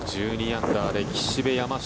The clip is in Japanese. １２アンダーで岸部、山下、